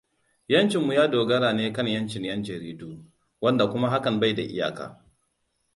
Ƴancin mu ya dogara ne kan ƴancin ƴanjaridu, wanda kuma hakan bai da iyaka.